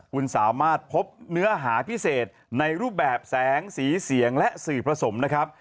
คุณสามารถพบเนื้อหาพิเศษในรูปแบบแสงสีเสียงและสื่อผสมนะครับ